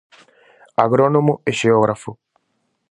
Agrónomo e xeógrafo.